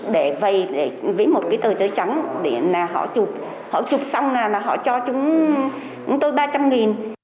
để vầy với một cái tờ chơi trắng để họ chụp họ chụp xong là họ cho chúng tôi ba trăm linh